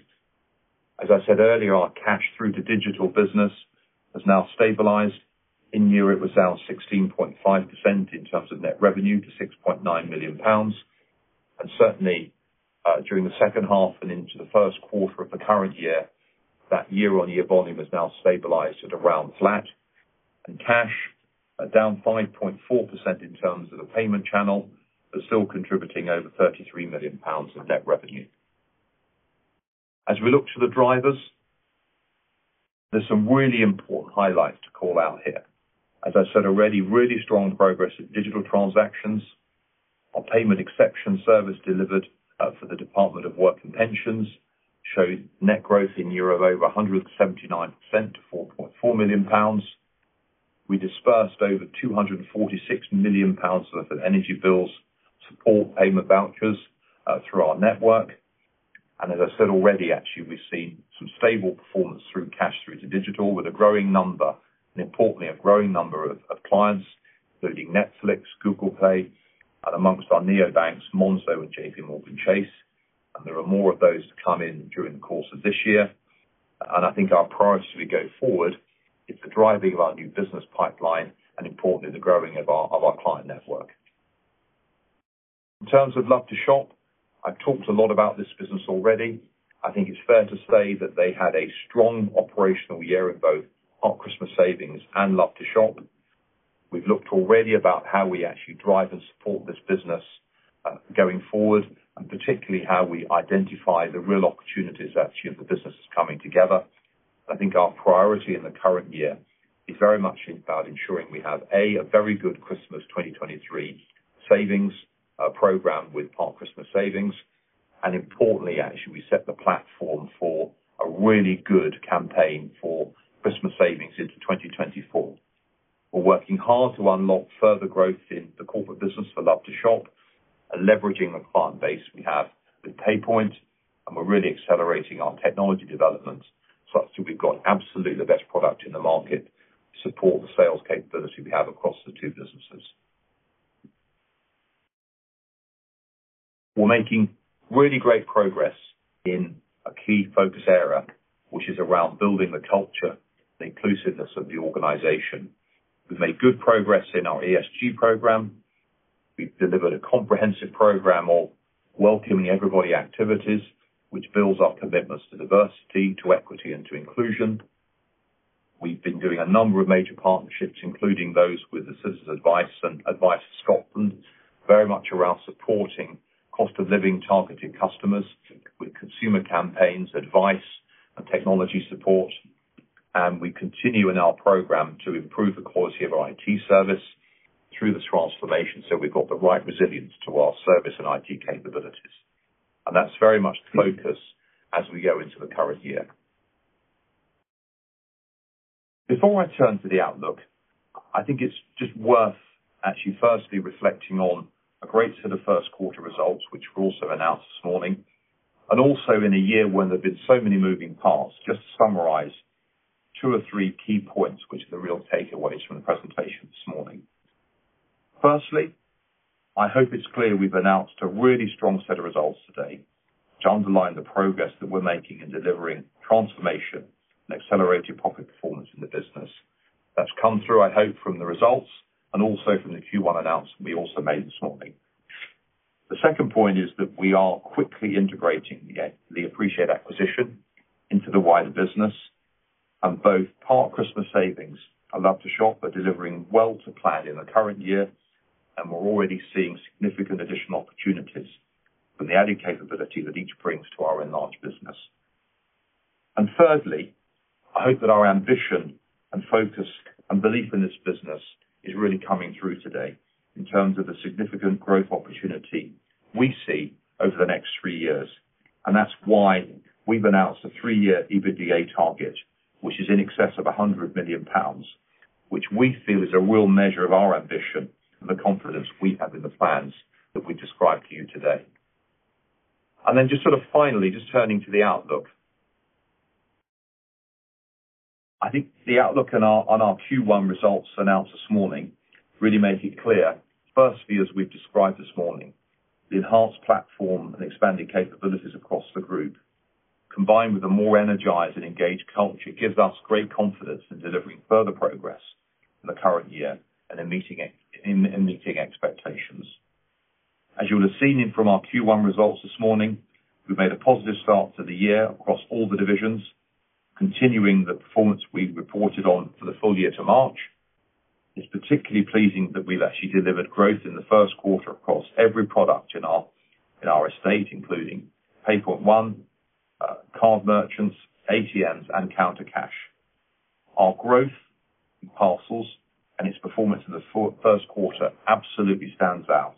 As I said earlier, our cash through the digital business has now stabilized. In year, it was down 16.5% in terms of net revenue to 6.9 million pounds. Certainly, during the second half and into the first quarter of the current year, that year-on-year volume has now stabilized at around flat. Cash, down 5.4% in terms of the payment channel, but still contributing over 33 million pounds of net revenue. As we look to the drivers, there's some really important highlights to call out here. As I said already, really strong progress in digital transactions. Our DWP Payment Exception Service delivered for the Department for Work and Pensions, showed net growth in year of over 179% to 4.4 million pounds. We dispersed over 246 million pounds worth of energy bills support payment vouchers through our network. As I said already, actually, we've seen some stable performance through cash through to digital, with a growing number, and importantly, a growing number of clients, including Netflix, Google Pay, and amongst our neobanks, Monzo and JPMorgan Chase. There are more of those to come in during the course of this year. I think our priority as we go forward, is the driving of our new business pipeline, and importantly, the growing of our client network. In terms of Love2shop, I've talked a lot about this business already. I think it's fair to say that they had a strong operational year in both our Christmas savings and Love2shop. We've looked already about how we actually drive and support this business, going forward, and particularly how we identify the real opportunities actually, of the businesses coming together. I think our priority in the current year is very much about ensuring we have, A, a very good Christmas 2023 savings program with Park Christmas Savings. Importantly, actually, we set the platform for a really good campaign for Christmas savings into 2024. We're working hard to unlock further growth in the corporate business for Love2shop. Leveraging the client base we have with PayPoint, we're really accelerating our technology developments, so as to we've got absolutely the best product in the market to support the sales capability we have across the two businesses. We're making really great progress in a key focus area, which is around building the culture, the inclusiveness of the organization. We've made good progress in our ESG program. We've delivered a comprehensive program of welcoming everybody activities, which builds our commitments to diversity, to equity, and to inclusion. We've been doing a number of major partnerships, including those with the Citizens Advice and Advice Scotland, very much around supporting cost of living targeted customers with consumer campaigns, advice, and technology support. We continue in our program to improve the quality of our IT service through this transformation, so we've got the right resilience to our service and IT capabilities. That's very much the focus as we go into the current year. Before I turn to the outlook, I think it's just worth actually firstly reflecting on a great set of first quarter results, which were also announced this morning, also in a year when there have been so many moving parts, just to summarize two or three key points, which are the real takeaways from the presentation this morning. Firstly, I hope it's clear we've announced a really strong set of results today to underline the progress that we're making in delivering transformation and accelerated profit performance in the business. That's come through, I hope, from the results and also from the Q1 announcement we also made this morning. The second point is that we are quickly integrating the Appreciate acquisition into the wider business, and both Park Christmas Savings and Love2shop are delivering well to plan in the current year, and we're already seeing significant additional opportunities from the added capability that each brings to our Enlarged business. Thirdly, I hope that our ambition and focus and belief in this business is really coming through today in terms of the significant growth opportunity we see over the next three years. That's why we've announced a three-year EBITDA target, which is in excess of 100 million pounds, which we feel is a real measure of our ambition and the confidence we have in the plans that we've described to you today. Just sort of finally, just turning to the outlook. I think the outlook on our Q1 results announced this morning really make it clear. Firstly, as we've described this morning, the enhanced platform and expanding capabilities across the group, combined with a more energized and engaged culture, gives us great confidence in delivering further progress in the current year and in meeting expectations. As you would have seen in from our Q1 results this morning, we've made a positive start to the year across all the divisions, continuing the performance we've reported on for the full year to March. It's particularly pleasing that we've actually delivered growth in the first quarter across every product in our, in our estate, including PayPoint One, card merchants, ATMs, and Counter Cash. Our growth in parcels and its performance in the first quarter absolutely stands out.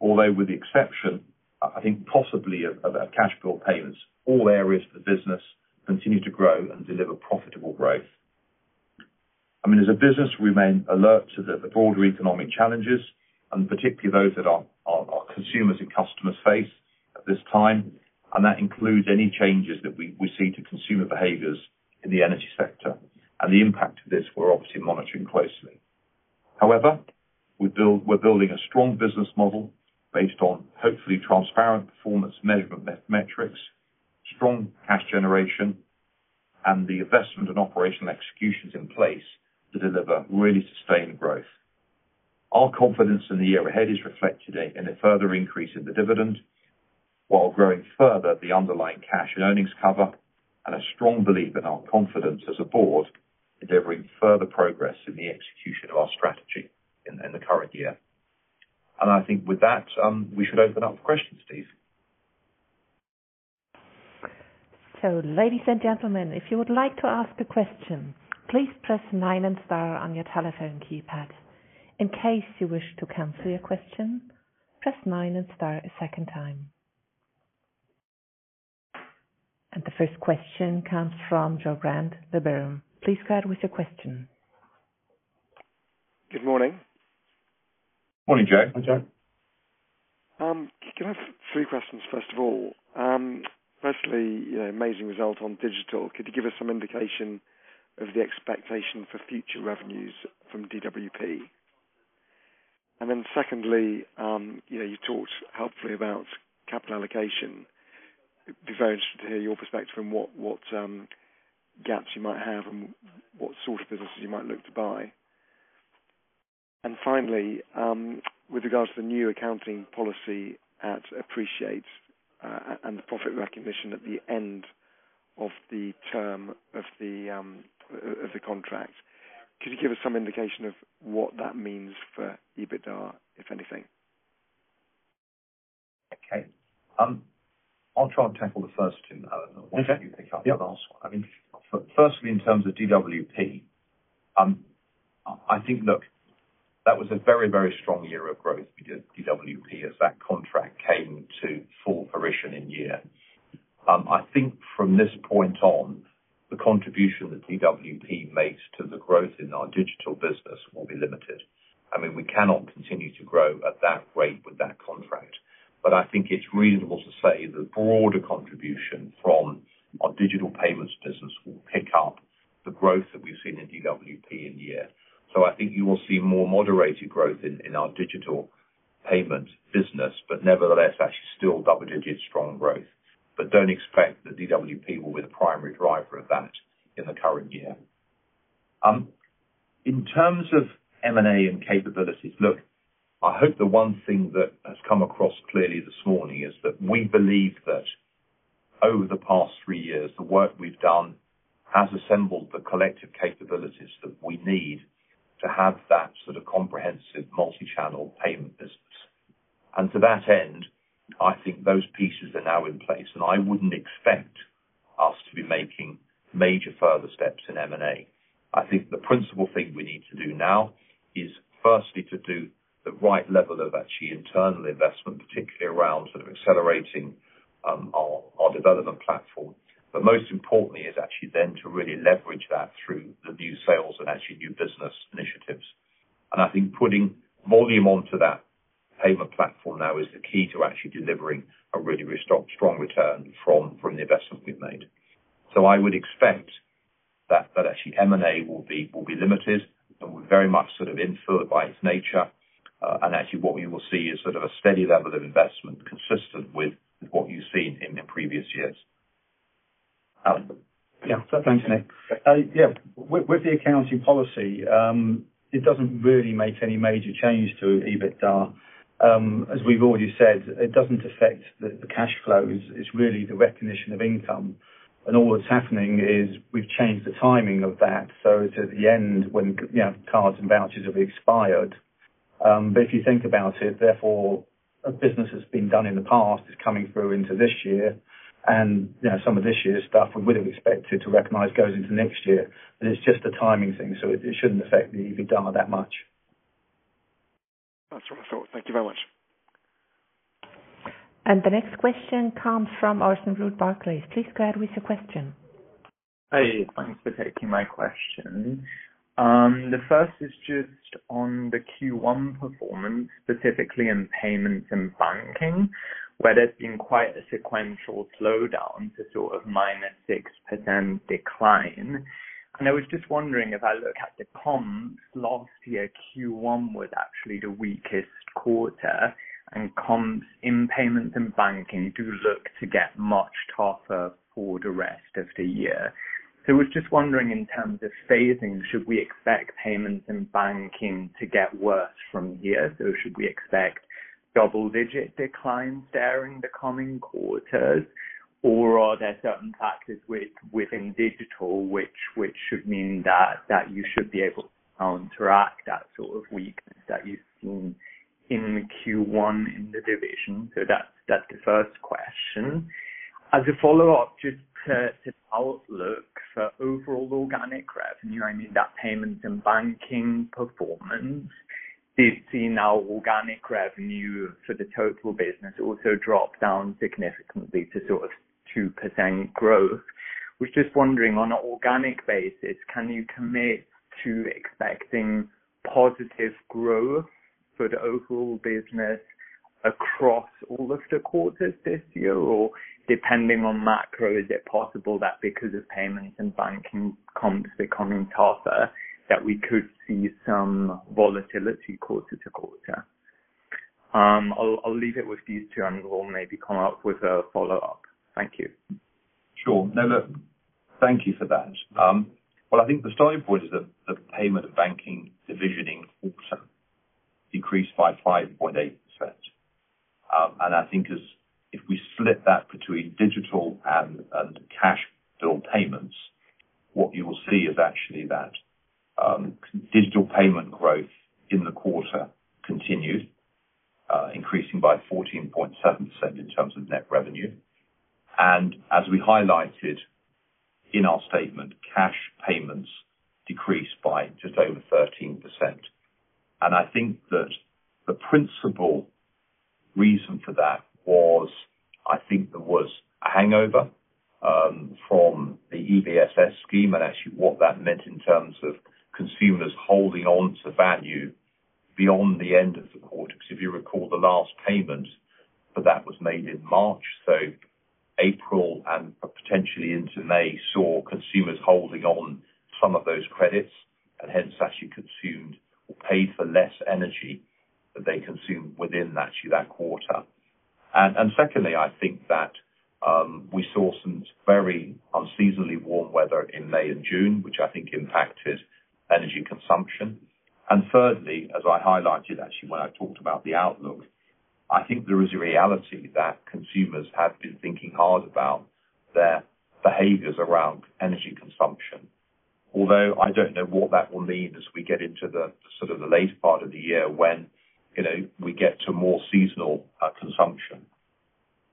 Although, with the exception, I think possibly of our cash bill payments, all areas of the business continue to grow and deliver profitable growth. I mean, as a business, we remain alert to the broader economic challenges, and particularly those that our consumers and customers face at this time, and that includes any changes that we see to consumer behaviors in the energy sector. The impact of this we're obviously monitoring closely. However, we're building a strong business model based on hopefully transparent performance measurement metrics, strong cash generation, and the investment and operational executions in place to deliver really sustained growth. Our confidence in the year ahead is reflected in a further increase in the dividend, while growing further the underlying cash and earnings cover, a strong belief in our confidence as a board in delivering further progress in the execution of our strategy in the current year. I think with that, we should open up for questions, please. Ladies and gentlemen, if you would like to ask a question, please press nine and star on your telephone keypad. In case you wish to cancel your question, press nine and star a second time. The first question comes from Joe Brent, Liberum. Please go ahead with your question. Good morning. Morning, Joe. Hi, Joe. Can I have three questions, first of all? Firstly, you know, amazing result on digital. Could you give us some indication of the expectation for future revenues from DWP? Secondly, you know, you talked helpfully about capital allocation. It'd be very interested to hear your perspective on what, what gaps you might have and what sort of businesses you might look to buy. Finally, with regards to the new accounting policy at Appreciate, and the profit recognition at the end of the term of the contract, could you give us some indication of what that means for EBITDA, if anything? Okay. I'll try and tackle the first two, and then, I don't know- Okay. Yeah.... if you pick up the last one. I mean, firstly, in terms of DWP, I think, look, that was a very, very strong year of growth because DWP, as that contract came to full fruition in year. I think from this point on, the contribution that DWP makes to the growth in our digital business will be limited. I mean, we cannot continue to grow at that rate with that contract, but I think it's reasonable to say the broader contribution from our digital payments business will pick up the growth that we've seen in DWP in the year. I think you will see more moderated growth in our digital payment business, but nevertheless, actually still double-digit strong growth. Don't expect that DWP will be the primary driver of that in the current year. In terms of M&A and capabilities, look, I hope the one thing that has come across clearly this morning is that we believe that over the past three years, the work we've done has assembled the collective capabilities that we need to have that sort of comprehensive multi-channel payment business. To that end, I think those pieces are now in place, and I wouldn't expect us to be making major further steps in M&A. I think the principal thing we need to do now is firstly, to do the right level of actually internal investment, particularly around sort of accelerating our, our development platform. Most importantly is actually then to really leverage that through the new sales and actually new business initiatives. I think putting volume onto that payment platform now is the key to actually delivering a really strong return from the investments we've made. I would expect that actually M&A will be limited, and very much sort of in-flow by its nature. actually what we will see is sort of a steady level of investment consistent with what you've seen in the previous years. Thanks, Nick. Yeah. With the accounting policy, it doesn't really make any major change to EBITDA. As we've already said, it doesn't affect the cash flows. It's really the recognition of income, and all that's happening is we've changed the timing of that, so to the end, when, you know, cards and vouchers have expired. If you think about it, therefore, a business that's been done in the past is coming through into this year, and, you know, some of this year's stuff we would've expected to recognize, goes into next year. It's just a timing thing, so it, it shouldn't affect the EBITDA that much. That's what I thought. Thank you very much. The next question comes from Orson Rout, Barclays. Please go ahead with your question. Hey, thanks for taking my question. The first is just on the Q1 performance, specifically in payments and banking, where there's been quite a sequential slowdown to sort of -6% decline. I was just wondering, if I look at the comps, last year, Q1 was actually the weakest quarter, and comps in payments and banking do look to get much tougher for the rest of the year. I was just wondering, in terms of phasing, should we expect payments and banking to get worse from here? Should we expect double-digit declines during the coming quarters, or are there certain factors within digital, which should mean that, that you should be able to counteract that sort of weakness that you've seen in Q1 in the division? That's the first question. As a follow-up, just to outlook for overall organic revenue, I mean that payment and banking performance, did see now organic revenue for the total business also drop down significantly to sort of 2% growth. Was just wondering, on an organic basis, can you commit to expecting positive growth for the overall business across all of the quarters this year? Depending on macro, is it possible that because of payments and banking comps becoming tougher, that we could see some volatility quarter to quarter? I'll leave it with these two, and we'll maybe come up with a follow-up. Thank you. Sure. No, look, thank you for that. Well, I think the starting point is that the payment and banking division in quarter decreased by 5.8%. I think if we split that between digital and cash bill payments, what you will see is actually that digital payment growth in the quarter continued, increasing by 14.7% in terms of net revenue. As we highlighted in our statement, cash payments decreased by just over 13%. I think that the principal reason for that was, I think there was a hangover from the EBSS scheme, and actually what that meant in terms of consumers holding on to value beyond the end of the quarter. Because if you recall, the last payment for that was made in March, so April, and potentially into May, saw consumers holding on some of those credits, and hence actually consumed or paid for less energy that they consumed within actually that quarter. Secondly, I think that we saw some very unseasonably warm weather in May and June, which I think impacted energy consumption. Thirdly, as I highlighted actually when I talked about the outlook, I think there is a reality that consumers have been thinking hard about their behaviors around energy consumption. Although, I don't know what that will mean as we get into the, sort of the later part of the year when, you know, we get to more seasonal consumption.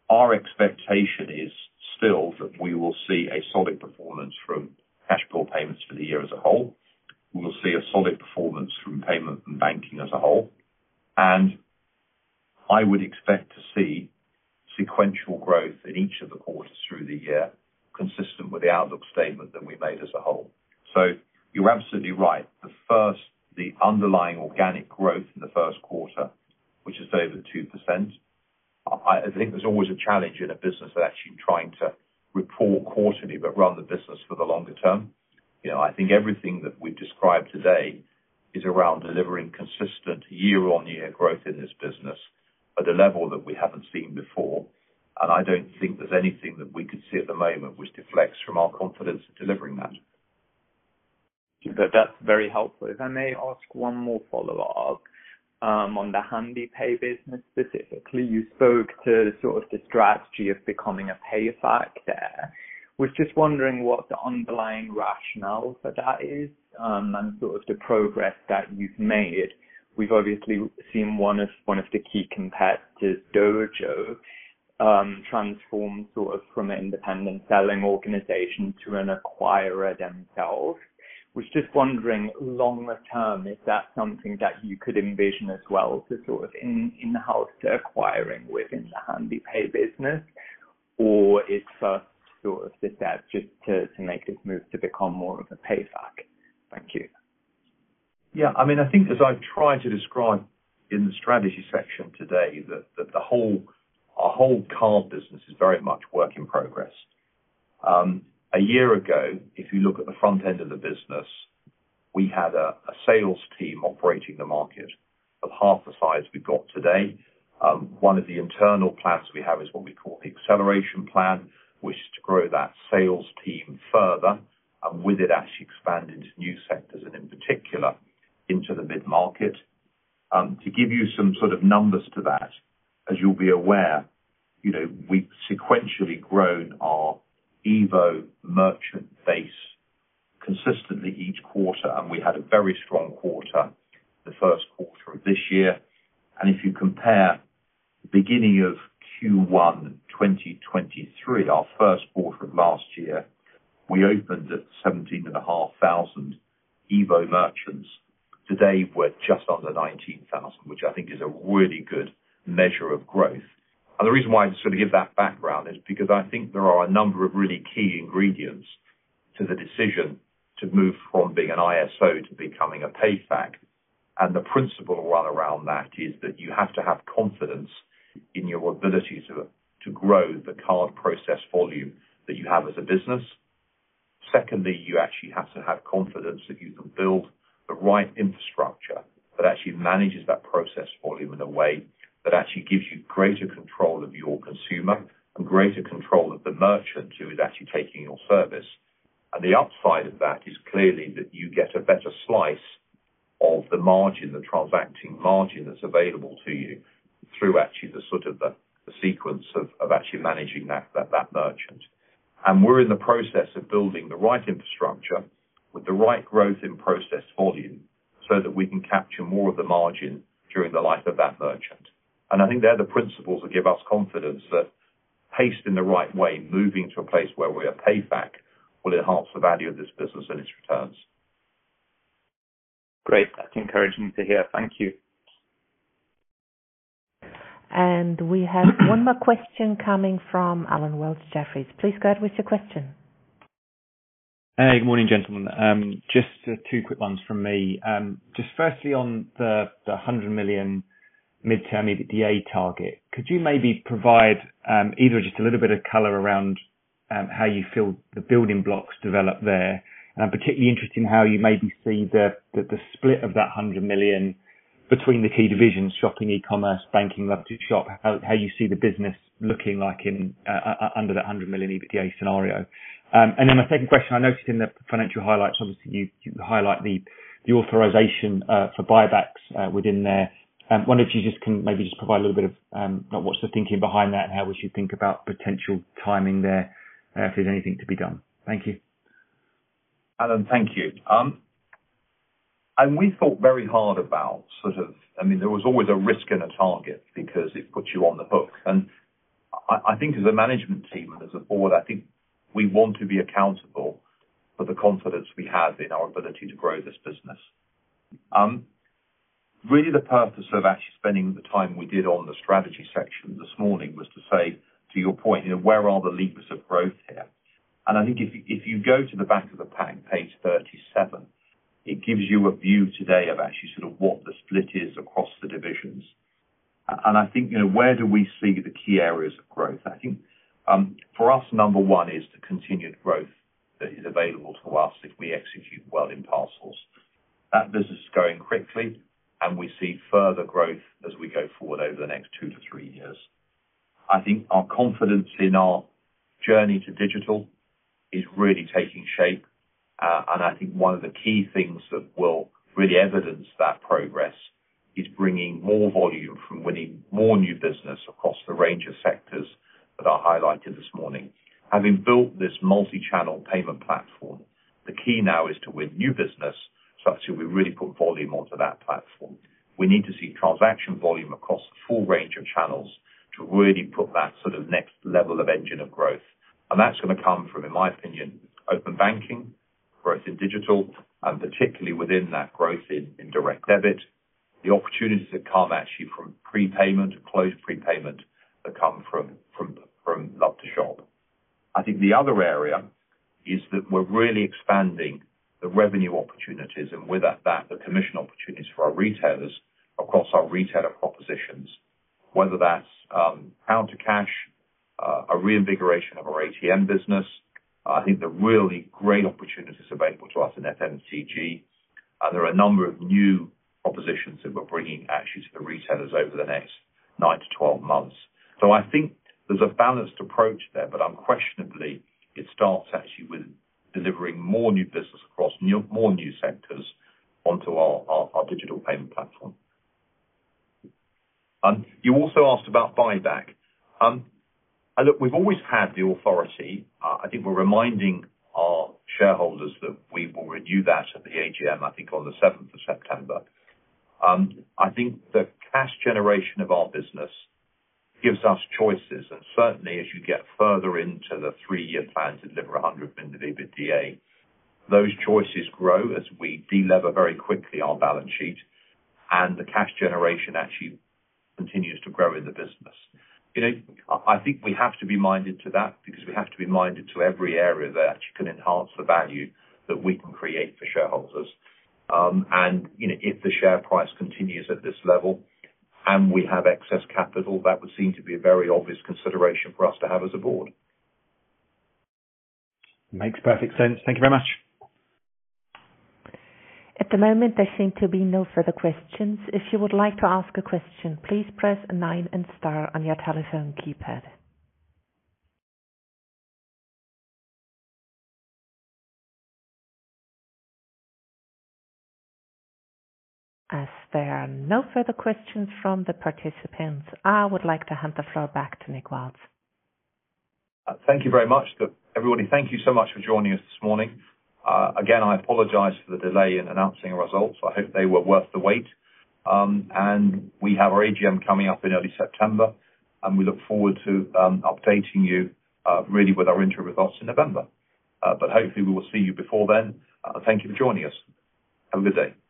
Our expectation is still that we will see a solid performance from cash bill payments for the year as a whole. We will see a solid performance from payment and banking as a whole. I would expect to see sequential growth in each of the quarters through the year, consistent with the outlook statement that we made as a whole. You're absolutely right. The first, the underlying organic growth in the first quarter, which is over 2%, I think there's always a challenge in a business that actually trying to report quarterly, but run the business for the longer term. You know, I think everything that we've described today is around delivering consistent year-on-year growth in this business at a level that we haven't seen before, and I don't think there's anything that we could see at the moment which deflects from our confidence in delivering that. That's very helpful. If I may ask one more follow-up on the Handepay business specifically. You spoke to sort of the strategy of becoming a PayFac there. Was just wondering what the underlying rationale for that is and sort of the progress that you've made. We've obviously seen one of the key competitors, Dojo, transform sort of from an independent selling organization to an acquirer themselves. Was just wondering, longer term, is that something that you could envision as well to sort of in, in-house acquiring within the Handepay business? It's sort of sit there just to, to make this move to become more of a PayFac? Thank you. Yeah, I mean, I think as I've tried to describe in the strategy section today, our whole card business is very much work in progress. One year ago, if you look at the front end of the business, we had a sales team operating the market of half the size we've got today. One of the internal plans we have is what we call the acceleration plan, which is to grow that sales team further, and with it, actually expand into new sectors, and in particular, into the mid-market. To give you some sort of numbers to that, as you'll be aware, you know, we've sequentially grown our EVO merchant base consistently each quarter, and we had a very strong quarter the first quarter of this year. If you compare the beginning of Q1 2023, our first quarter of last year, we opened at 17,500 EVO merchants. Today, we're just under 19,000, which I think is a really good measure of growth. The reason why I sort of give that background is because I think there are a number of really key ingredients to the decision to move from being an ISO to becoming a PayFac. The principle right around that is that you have to have confidence in your ability to, to grow the card process volume that you have as a business. Secondly, you actually have to have confidence that you can build the right infrastructure that actually manages that process volume in a way that actually gives you greater control of your consumer and greater control of the merchant who is actually taking your service. The upside of that is clearly that you get a better slice of the margin, the transacting margin, that's available to you through actually the sort of the sequence of, of actually managing that merchant. We're in the process of building the right infrastructure with the right growth in process volume, so that we can capture more of the margin during the life of that merchant. I think they're the principles that give us confidence that paced in the right way, moving to a place where we're a PayFac, will enhance the value of this business and its returns. Great. That's encouraging to hear. Thank you. We have one more question coming from Alan Wells, Jefferies. Please go ahead with your question. Hey, good morning, gentlemen. Just two quick ones from me. Just firstly, on the, the 100 million mid-term EBITDA target, could you maybe provide either, just a little bit of color around how you feel the building blocks develop there? I'm particularly interested in how you maybe see the split of that 100 million between the key divisions, shopping, e-commerce, banking, Love2shop, how you see the business looking like in under the 100 million EBITDA scenario. Then my second question, I noticed in the financial highlights, obviously, you highlight the, the authorization for buybacks within there. Wonder if you just can maybe just provide a little bit of what's the thinking behind that, and how we should think about potential timing there, if there's anything to be done. Thank you. Alan, thank you. We thought very hard about sort of, I mean, there was always a risk and a target because it puts you on the hook. I think as a management team and as a board, I think we want to be accountable for the confidence we have in our ability to grow this business. Really the purpose of actually spending the time we did on the strategy section this morning was to say, to your point, you know, where are the levers of growth here? I think if you go to the back of the pack, page 37, it gives you a view today of actually sort of what the split is across the divisions. I think, you know, where do we see the key areas of growth? I think, for us, number one is the continued growth that is available to us if we execute well in parcels. That business is growing quickly, and we see further growth as we go forward over the next two to three years. I think our confidence in our journey to digital is really taking shape, and I think one of the key things that will really evidence that progress is bringing more volume from winning more new business across the range of sectors that I highlighted this morning. Having built this multi-channel payment platform, the key now is to win new business. Actually we really put volume onto that platform. We need to see transaction volume across the full range of channels to really put that sort of next level of engine of growth. That's going to come from, in my opinion, Open Banking, growth in digital, and particularly within that growth in, in Direct Debit. The opportunities that come actually from prepayment, closed prepayment, that come from Love2shop. I think the other area is that we're really expanding the revenue opportunities, and with that, the commission opportunities for our retailers across our retailer propositions. Whether that's pound to cash, a reinvigoration of our ATM business. I think there are really great opportunities available to us in FMCG. There are a number of new propositions that we're bringing actually to the retailers over the next nine to 12 months. I think there's a balanced approach there, but unquestionably, it starts actually with delivering more new business across more new sectors onto our, our, our digital payment platform. You also asked about buyback. Look, we've always had the authority. I think we're reminding our shareholders that we will renew that at the AGM, I think on the 7th September. I think the cash generation of our business gives us choices, and certainly as you get further into the three-year plan to deliver 100 million in the EBITDA, those choices grow as we de-lever very quickly our balance sheet, and the cash generation actually continues to grow in the business. You know, I think we have to be minded to that because we have to be minded to every area that actually can enhance the value that we can create for shareholders. You know, if the share price continues at this level, and we have excess capital, that would seem to be a very obvious consideration for us to have as a board. Makes perfect sense. Thank you very much. At the moment, there seem to be no further questions. If you would like to ask a question, please press nine and star on your telephone keypad. As there are no further questions from the participants, I would like to hand the floor back to Nick Wiles. Thank you very much. Look, everybody, thank you so much for joining us this morning. Again, I apologize for the delay in announcing our results. I hope they were worth the wait. We have our AGM coming up in early September, and we look forward to updating you really with our interim results in November. Hopefully, we will see you before then. Thank you for joining us. Have a good day.